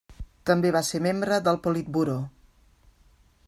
També va ser membre del Politburó.